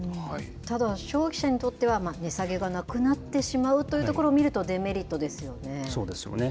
ただ、消費者にとっては値下げがなくなってしまうというとこそうですよね。